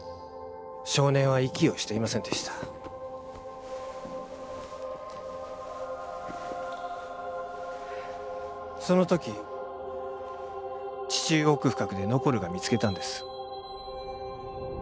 少年は息をしていませんでしたその時地中奥深くでノコルが見つけたんです